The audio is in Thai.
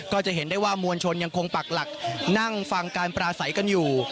ก็จะเห็นได้ว่ามวลชนยังคงปักหลักนั่งฟังการปราศัยกันอยู่